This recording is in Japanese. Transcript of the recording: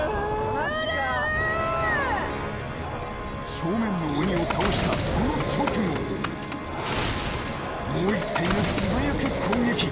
正面の鬼を倒したその直後、もう１体が素早く攻撃。